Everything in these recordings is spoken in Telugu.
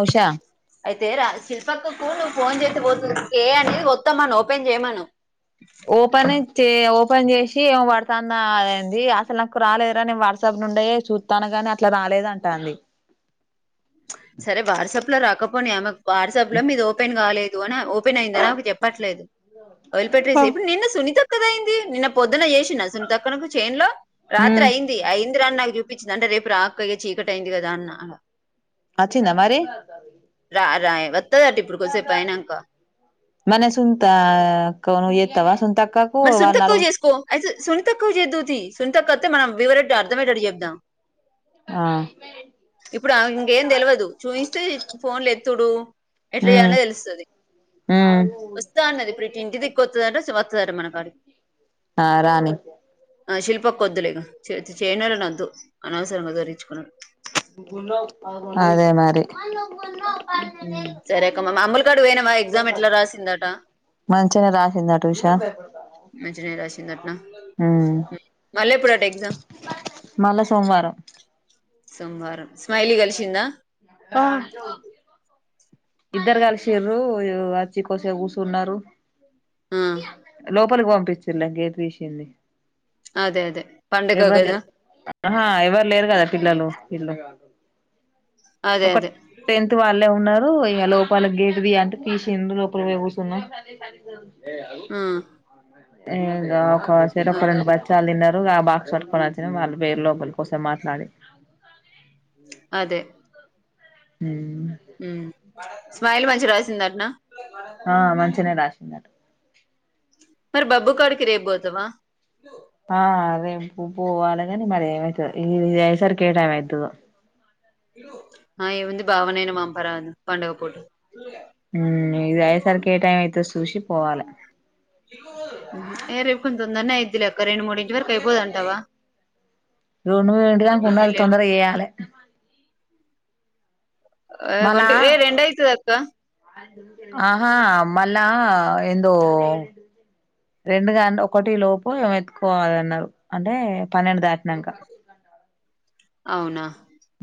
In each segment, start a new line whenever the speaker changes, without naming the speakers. ఉషా
అయితే రా శిల్పక్కకు ఫోన్ చెత్తే పోతుంది చేయండి ఒత్తమన ఓపెన్ చేయమను.
ఓపనే చే ఒప్ పన్ చేసి ఏం పడతాందా అనింది అసలు నాకు రాలేదురా నేను వాట్సాప్ నుండే చుత్తన్న గని అట్ల రాలేద్ అంటాంది.
సరే వాట్సప్ లో రాకపోని ఆమెక్ వాట్సాప్ల మీది ఓపెన్ కాలే పోనా ఓప్ న్ అయిందా నాకు చెప్పట్లేదు వదిలిపెట్టేసేయి ఇప్పుడు నిన్న సునీత [unintelligible] ఎంది నిన్న పొద్దున చెస్ [unintelligible] సునీతాక్కకి చెన్లో రాత్రి
మ్మ్
అయింది అయింది రా అని నాకు పప్పించిందింటే రేపు రా అక్క ఇగ చీకటి అయింది కదా అన్న అలా
అచ్చింద మరి
రా వత్తదట ఇప్పుడు కొద్దిసేపు అయినాక
మన సుంతా [unintelligible]
మరి సునీతక్కకి చేసుకో అయితే సునీతక్క కి చేదువు తి సునీతక్క వత్తే మనం వివరంగా అర్థమయ్యేటట్టు చెప్దాం
ఆ
ఇప్పుడు ఆమెకి ఇంకేం తెల్వదు చూయిస్తే ఫోన్లు ఎత్తుడు ఎట్లా
మ్మ్
చేయాల్నో తెలుస్తది
మ్మ్
వస్తా అన్నది ఇప్పుడు ఇంటి దిక్కు వస్తదంట సరే మనం ఆ
ఆ రాని
ఆ శిల్పక్క కొద్దులే ఇగ చే-చేయనోళ్లని వద్దు అనవసరంగా గురించుకున్
అదే మరి
ఉమ్, సరే అక్క మా అమ్ముల కాడికి పోయినావా ఎగ్జామ్ ఎట్లా రాసిందట
మంచినే రాసిందటు ఉషా
మంచినే రాశినందట్న
మ్మ్
మళ్ళీ ఇప్పుడు అంట ఎక్సమ్
మళ్ళా సోమవారం
సోమవారం స్మైలీ కలిసిందా
ఇద్దరు కలిసిరు వచ్చి కోసే కూర్చున్నారు
ఆ,
లోపలి పోం ప్పచ్చలాంగే రషని
అదే అదే పండగ
ఎవరు
కదా
లేరు హా ఎవరు లేరు కదా పిల్లలు ఇల్లగా
అదే
ఒక
అదే
టెన్త్ వాళ్ళే ఉన్నారు ఓ ఇక లోపకి గేటుది అంటే తీసిండు లోపలికీ పోయి కూర్చున్నాం
హ్మ్
ఇకా ఆ సెటిప్ [unintelligible] ఆ బాక్స్ పట్టుకొని వచ్చిన వాళ్ళు వేరు లోపలి కోసం మాట్లాడి
అదే
హ్మ్
హ్మ స్మైలీ మంచి రాసిందనా
ఆ మంచినే రాసిందట [unintelligible]
మరి బబ్బుకోడికి రేపుపోతావా
ఆ అదే పొవలాగనే మయితుది ఇసారి కే టైమ్ అయితుదు
ఆ ఇ వంది భావనైన మాంపార అ పండగ పోటు
హ్మ్ ఇక ఐసారి కేట [unintelligible] చూసిపోవాలె
ఏ రేపు కొంత తొందనే అయిదిలేక్క రెండు మూడుంచు వరకు అయిపోదంటావా
రండు వడుగా కొ ఉండాలి తొందర చేయాలి
ఏ
మలా
ఒంటి ఏ రెండు అయితది అక్క
ఆహా మల్ల ఏందో రెండుగా ఒకటి లోపు ఏ ఎతుకోవాలన్నారు అంటే పన్నెండు దకా [unintelligible]
అవునా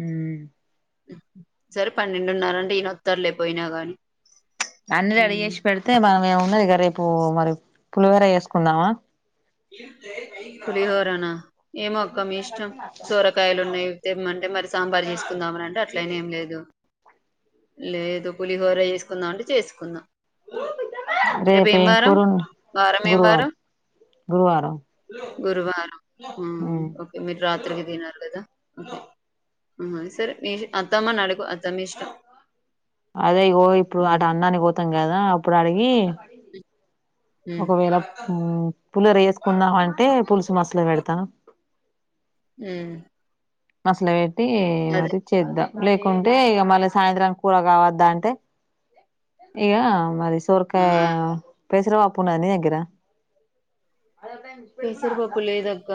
హ్మ్
పన్నెండున్నార అంటే ఈయన ఒత్తర్లేకపోయినా గాని
అన్ని రెడీ చేసి పెడితే మనమ ఏమ ఉన్నది ఇక రేపు మరి పులివేర వేసుకుందామా
పులిహోరనా ఏమో అక్క మీ ఇష్టం సోరకాయలు ఉన్నాయి తెమ్మంటే మరి సాంబార్ చేసుకుందామని అంటే అట్లనే ఏం లేదు లేదు పులిహోర చేసుకుందామంటే చేసుకుందాం
రేపు ఏం కూరొండ్
వారం ఏం
గురువార్
వారం
గురువారం
గురువారం మ్మ్ ఓకే మీరు రాత్రికి దినరు గదా ఆ సరే మీది అత్తమ్మనడుగు అత్తమిష్టం
అదే ఇగో ఇప్పుడాడ అన్నానిక్ పో తంగదా అప్పుడడిగి
మ్మ్
ఒకవేళ పు పులిహోర యేసుకుందామంటే పులుసు మసలి బెడతా
మ్మ్
అస్లే టే
అదే
మది చేద్దా లేకుంటే ఇగ మళ్ళ సాయంత్రం కూర గావద్దంటే ఇగ మరి సొర్కాయ
ఆ
పెసర బప్పుందా నీ దగ్గిరా
పెసర బప్పు లేదక్క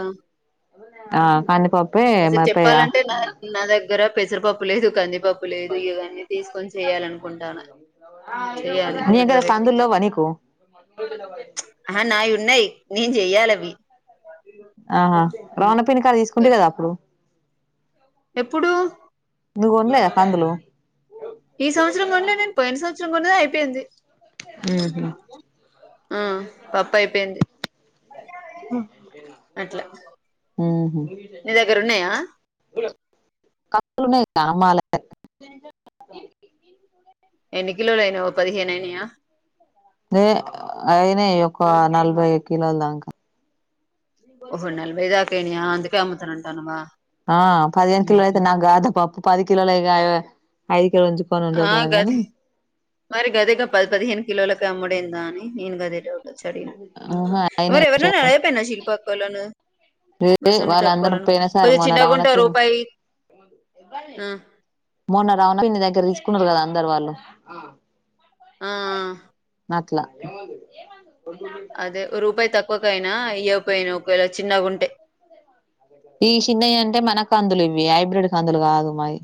ఆ కంది పప్పు
అసలు చెప్పాలంటే నా నా దగ్గర పెసరపప్ ప్ లేదు కంది పప్పు లేదు ఇవన్నీ తీసుకొని చెయ్యాలనుకుంటాన
[unintelligible] కందుల్లేవా నీకు
ఉన్నయ్ నేన్ జెయ్యాలవి
ఆహా రావణ పిన్నీ కాడ తీసుకుంటివి
గట్ల
గదా అప్పుడు
ఎప్పుడు
నువ్వు కొనలేదా కందులు
ఈ సంవత్సరం కొన్లే నేన్ పోయిన సమ్ [unintelligible] కొన్నదే అయిపొయింది
ఊహు
ఆ పప్పైపొయింది అట్ల
ఉహు
నీ దగ్గర ఉన్నయా
కాలునే కామాల
ఎన్ని కిలోలైనై ఓ పదిహేనైనయ
ఏ అయినాయ్ ఒక నలభై కిలోలు దాంకా
ఓహో నలభైదాక అయినయ అందే కేే అమ్ముతానంటన్నావా
ఆ పదిహేను కిలో అయితే నాకుగాదా పప్పు పది కిలోలగాయ అయి
ఆ గదే మరి గదేగా పది పదిహేను కిలోల గమ్ముడెంద అని నేను గదే డౌట్ చ్ అడిగినా
ఆహా
ఒరే
అయినాయి
ఎవరినన్న అడగకపోయినవ్ శిల్పక్కోలను గా
వాళ్ళందరూ
సునీతక్కోలను
పోయిన సారి
కొద్దిగా
మొన్న రమణ
చిన్నగుంటే
పిన్ని
రూపాయి ఉమ్
కున్నారు కదా అందరు వాళ్ళు
ఆ ఆ
అట్లా
అదే రూపాయి తక్కు క్కువకైనా ఇయ్యకాపోయినవ్ ఒకవేళ చిన్నగుంటే.
ఈ షిన్నయి అంటే మన కందులు ఇవి హైబ్రిడ్ కందులు కాదు మాయి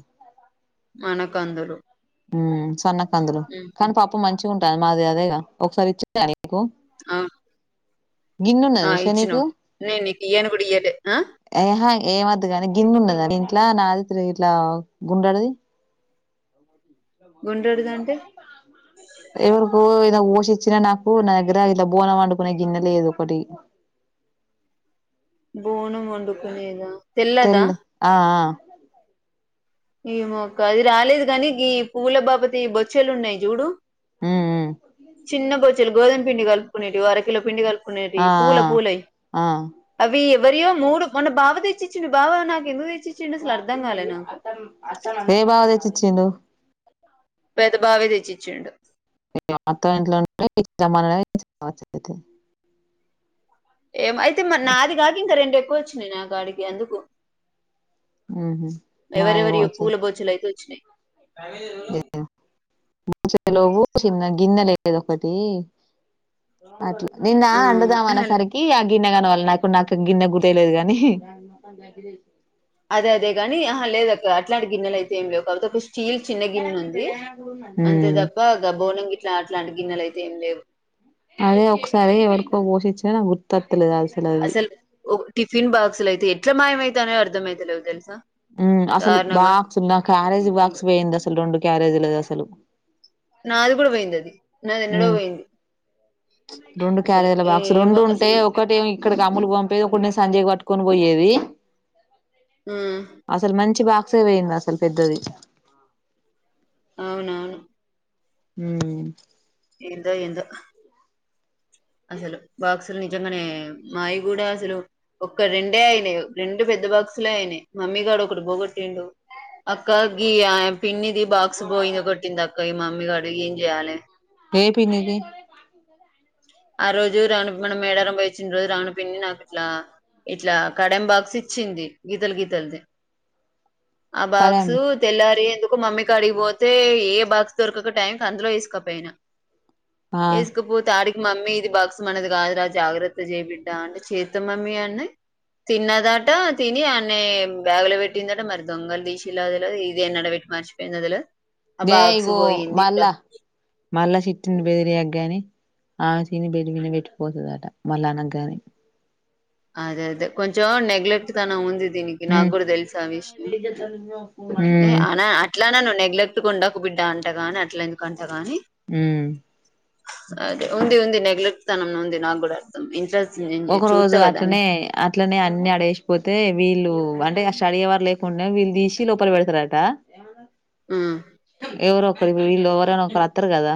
మనకందులు
మ్ సన్న కందులు కానీ పప్పు మన్ మంచిగుంటది మాది అదేగా ఒకసారి ఇచ్చినాగ నీకు
ఆ
గిన్నె ఉన్నది
ఆ
ఉషా నీకు
ఇచ్చినవ్ నేను నీకు ఇయ్యాను కూడా ఇయ్యలే ఆ
ఏమద్ గనీ గిన్నె ఉన్నదా నీ ఇంట్ల నాది తిరిగి ఇట్లా గుండ్రది
గుండ్రటిది అంటే
ఎవరికో ఏదో వో చి ఇచ్చిన నాకు నా దగ్గర ఇట్లా బోనం వండుకునే గిన్నె లేదు ఒకటి
బోనం వండుకునేద
తెల్లద్ ఆ ఆ
ఏమోక్క అది రాలేదు కానీ పూల బాపతి బొచ్చలు ఉన్నాయి చూడు
ఉమ్ ఉమ్
చిన్న బొచ్చలు గోదమ్పిండి కలుపుకునేటివి ఓ అర కిలో పిండి కలుప్ కునేటివి
ఆ
పూల పూలయి
ఆ ఆ
అవి మరియో మూడు మొన్న బావ తెచ్చిచ్చిండు బావ నాకుందుకు తె చిచ్చిండు అసల్ అర్థంకాలేనాకు
ఏ బావ దెచ్చి చిండు
పెద్ద బావే తెచ్చి ఇచ్చిండు
మా అత్తగారింట్లో ఉంటే ఇచ్చి రమ్మన్ గనే ఇచ్చి రావచ్చు అయితే
ఏమోయితే మరి నాది కాకింకా రెండు ఎ ఇవ్వొచ్చినయ్ నా గాడికి ఎందుకు
ఊహు
ఎవరే
మాయ
ఎవరియో
పోవచ్చు
పూల బొచ్చల్ అయితే చి [unintelligible]
మంచి [inaudible] నువ్వు చిన్న గిన్నె లేద ఒకటి అట్లా నిన్నా
ఆ ఆహా,
అందుధంఅన్నసరికి అ గిన్నెగాని వాళ్ళు నాకున్ నాకు గిన్నె గుర్తేలేదు గానీ
అదే అదే గాని ఆహ లేదక్క అట్లాంటి గిన్నెలయితే ఏం లేవు కవతపుష్ స్టీల్ చిన్నె గిన్ ఉంది. అంతే
ఉమ్.
తప్పా గా బోనం గిట్లా అట్లాంటి గిన్నెలయిత్ తేం లేవు
అదే ఒకసారి ఎవరికో పోసిచ్చిన నా గుర్తత్ తలేదు అసల్ అది
ఫిన్ బాక్సులైతే ఎట్ల మాయమైతనయో అర్థమైతలేవు తెలుసా.
ఉమ్ అసలు
దారుణంగా
బాక్స్ నా క్యారేజ్ బాక్స్ వోయింద్ అసలు రొండు క్యారేజీలది అస్ సలు
నాది కూడ వోయిందది
ఉమ్ రొండు
అసలు
క్యారేజల బాక్స్ రొండు
ఏమో
ఉంటే
అసలు
ఒకటి ఏమి ఇక్కడికి అమ్మలు పంపేది ఒకటి నేను సంజయ్ కి పట్టుకొని పోయేది.
ఆ
అసలు మంచి బాక్ సే వోయింద్ అసలు పెద్దది
అవునవును
హ్మ్
ఏందో ఏందో అసలు బాక్సులు నిజంగానే మాయి కూడా అసలు ఒక్క రెండే అయినయి. రెండు పెద్ద బాక్సులే అయినాయి. మమ్మీగాడు ఒకటి పోగొట్టిండు. అక్కా గీ ఆ పిన్నిది బాక్సు పోయా కొట్టింది అక్క ఈ మమ్మీగాడు. ఏం చెయ్యాలే?
ఏ పిన్నిది
ఆ రోజు రాణి మనం మేడారం పోయి వచ్చిన్ రోజు రాణి పిన్ని నాకు అట్లా ఇట్లా కడం బాక్స్ ఇచ్చింది గీతల్ గీతల్ది ఆ బాక్సు
కడేమ్మ
తెల్లారి ఎందు కు మమ్మీకాడికి పోతే ఏ బాక్స్ దొరకక టైంకు అందులో ఎసుకపోయినా
ఆ
ఎసుకుపోతే ఆడిక్ మమ్మీ ఇది బాక్స్ మనది కాదురా జాగ్రత్త చేయి బిడ్డా అంటే, చేత్త మమ్మీ అన్ని తిన్నదట తిని ఆన్నే బ్యాగ్ లో పెట్టిందట మర్ దొంగల్ దీశిన్ లా తెల్వది. ఇది ఏడ్నన్న పెట్ మర్చిపోయిందా తెల్వది
నే ఇగో మల్లా మల్ల సిట్టిండు బెదిరియక్ గాని ఆమె తిని బెడ్ మిన్నె పెట్ పోతదట మళ్ళా అనక్ గాని
ఆదె అదే కొంచం నెగ్లెక్ ట్ తనం ఉంది దీనికి నాకు
ఉమ్
కూడా తెలుసా ఆ విషయం నే అనా అట్లనను నేగ్ లెక్ట్ కుండకు బిడ్డ అంటగాని అట్ల ఎందుకంటగాని
ఉమ్
అదే ఉంది ఉంది నెగ్లెక్ట్ తనం ఉంది నా కూడా [inaudible] ఇంట్రెస్
ఒక రోజు అట్లనే అట్లనే అన్ని అడేసిపోతే వీళ్ళూ అంటే ఆ స్టడీహౌర్ లేకుండే వీళ్ దీసి లోపల పెడతరట
మ్మ్
ఎవరో ఒకరు వీళ్ళు ఎవరైనా ఒకరు అత్తరు గదా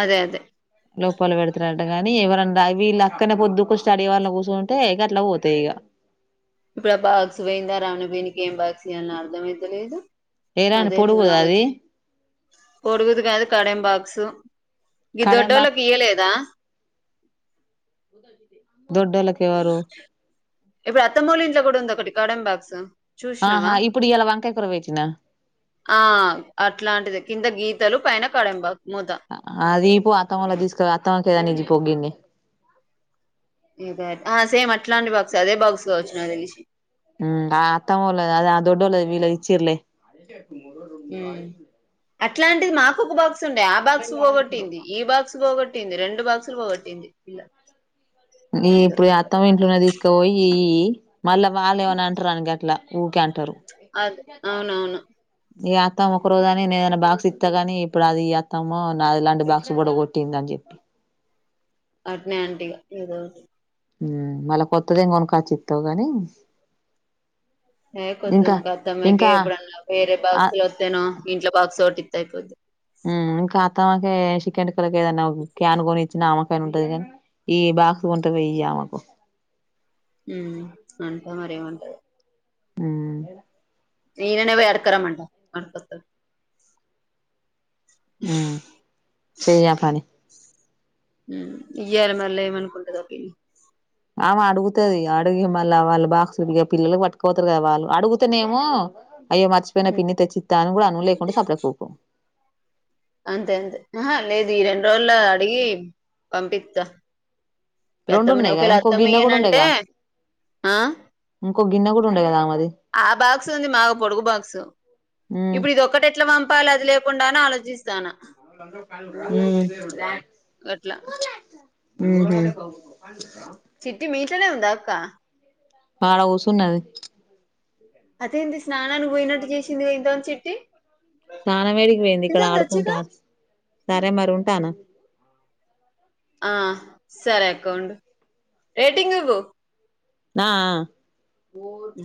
అదే అదే
లోపల పెడుతారంటగాని ఎవరన్నా వీళ్ళ కానీ పొద్దుకు స్టడీ అవర్లా కూసుంటే గట్ల పోతయి ఇగ
ఇప్పుడు ఆ బాక్స్ పోయిందా రావన వీనికి ఏం బాక్స్ ఇయ్యాల్న అర్థంమయితలేదు.
ఏరాని
అదే
పొడుగుదా అది
[unintelligible] పోడుగుది కాదు కడెం బాక్స్ గీ
కడెంబాక్
దొడ్డోళ్ళకి ఇయ్యలేదా
దొడ్డోళ్ళకి ఎవరు
ఇప్పుడు అత్తమ్మోల ఇంట్ల కూడ ఉంది ఒకటి. కడెం బాక్స్ చూసినవా
ఆహా ఇప్పుడు ఇయాల వంకాయ కూర పెట్టినా
ఆ అట్లాంటిదే కింద గీ తలు పైన కడెం బా
అది ఇయిపో అత్తమోళ్ళది తీసుకురా, అత్తమ్మకి ఏదన్న ఇయ్యిపో గిన్నే.
ఆ సేమ్ అట్లాంటి బాక్స్ అదే బాక్స్ కావచ్చు నాక్ తెలిసి.
ఆ అత్తమోలది అది ఆ దొడ్డోలది వీళ్ళే ఇచ్చిర్లే. ర ఆ
ఉమ్ అట్లాంటిది మాకు ఒక బాక్స్ ఉండే ఆ బాక్స్ పోగొట్టింది ఈ బాక్స్ పోగొ ట్టింది రెండు బాక్సులు పోగొట్టింది పిల్ల.
ఈ
ఏందో
ఇప్పుడు
ఏందో
అత్తమ్మ ఇంట్లున్నది తీసుకపోయి యియ్యీ. మళ్ళ వాళ్ళు ఏమన అంటరని గట్లా ఊకే అంటరు.
అద్ అవునవును.
ఇగ అత్తమ్మ ఒక రోజు అని నేదైనా బాక్స్ ఇత్త గాని, ఇప్పుడు అది ఇయ్యి అత్తమ్మ నాది ఇలాంటి బాక్స్ పొడకొట్టింది అని చెప్పి.
అట్నే అంటీగా ఏదోటి
మ్మ్ మళ్ళ కొత్తదేం కొనుకచ్చిత్తవ్ గానీ
హే కొత్తది ఇంక అత్తమ్మకే ఎప్పుడన్న వేరే
ఆ
బాక్స్లు వత్తెనా ఇంట్లో బాక్స్ ఓటి అయిపోద్ది
మ్ ఇంకత్తమ్మకే షిక్కెం వొళకు ఏదన్న క్యాన్ కొనిచ్చినామ పని ఉంటది గాని ఈ బాక్స్ కొంటవొయ్యి యియ్యామకు.
మ్మ్ అంటా మరేంమ
హ్మ్
ఈయననే పొయి అడుక్కరంమంట అడుక్కొస్తడు.
మ్మ్ చెయ్యాపనీ.
మ్ ఇయ్యాల మళ్ల ఏమనుకుంటదో పిన్ని
ఆమ అడుగుతది అడిగి మళ్ల వాళ్ళు బాక్స్ ఇగ పిల్లలకి పట్టుకపోతరు కదా వాళ్ళు అడుగుతనేమో అయ్యో మర్చిపోయిన పిన్ని తెచ్చీత్తా అని కూడ అను లేకుంటే సప్పుడసేయక ఊకో.
అంతే అంతే ఆ లేదు ఈ రెండు రోజులు అడిగి పంపిస్తా
రెండు
పెత్తమని
ఉన్నాయి కదా
ఒకేళ
ఇంకో గిన్నె
అథమయ్యాన
కూడా
అంటే
ఉండేగా
ఆ
ఒక గిన్న కూడా ఉండ కదా
ఆ బాక్స్ ఉంది మాకు పొడుగు బాక్సు
హ్మ్
ఇప్పుడు ఇది ఒక్కటి ఎట్లా పంపాలి అది లేకుండా అనే ఆలోచించ జీస్తానా
[inaudible]
గట్లా
ఉహు
సిట్టి మి ట్లానే ఉందా అక్క
అడ కుసునది
అదే స్నానికి పోయినట్టు చేసింది ఇంత చెట్టి
సాన వేడికి పోయింది ఇక్కడ
వచ్చిగా
ఆడుకుంతనది సరే మరి ఉంటానా
ఆ సరే అక్క రేటింగ్ ఇవు
నా ఆ ఆ
అ